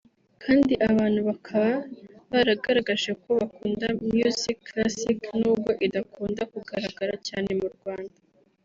kandi abantu bakaba baragaragaje ko bakunda music classic nubwo idakunda kugaragara cyane mu Rwanda